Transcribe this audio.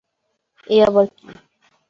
এ আবার কী?